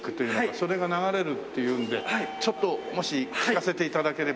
それが流れるっていうのでちょっともし聴かせて頂ければ。